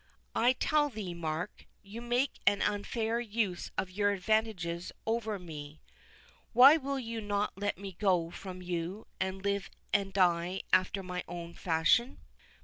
I tell thee, Mark, you make an unfair use of your advantages over me. Why will you not let me go from you, and live and die after my own fashion?"